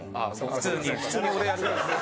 普通に俺やるから。